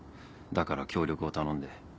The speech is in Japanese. だから協力を頼んで。